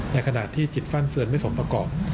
ในขณะที่จิตฟั่นเฟือนไม่สมประกอบ